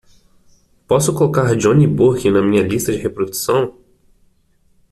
Posso colocar johnny burke na minha lista de reprodução?